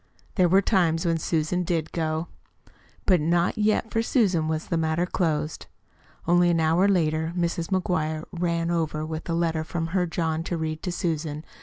There were times when Susan did go. But not yet for Susan was the matter closed. Only an hour later Mrs. McGuire "ran over" with a letter from her John to read to Susan.